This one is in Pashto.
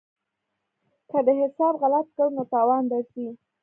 که دې حساب غلط کړ نو تاوان درځي.